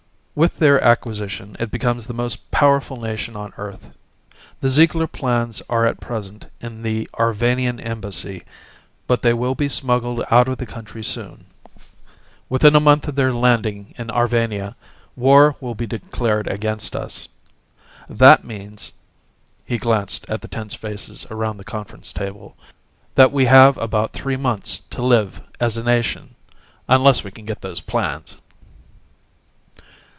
With their acquisition it becomes the most powerful nation on earth. The Ziegler plans are at present in the Arvanian Embassy, but they will be smuggled out of the country soon. Within a month of their landing in Arvania, war will be declared against us. That means" he glanced at the tense faces around the conference table "that we have about three months to live as a nation unless we can get those plans!"